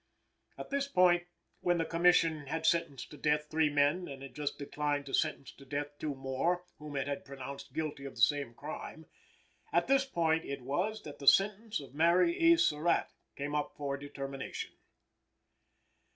At this point when the Commission had sentenced to death three men and had just declined to sentence to death two more whom it had pronounced guilty of the same crime at this point it was, that the sentence of Mary E. Surratt came up for determination.